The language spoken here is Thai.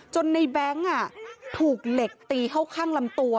ในแบงค์ถูกเหล็กตีเข้าข้างลำตัว